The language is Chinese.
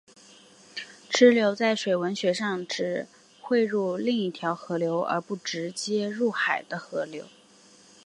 支流在水文学上指汇入另一条河流而不直接入海的河流。